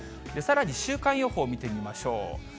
さらに週間予報見てみましょう。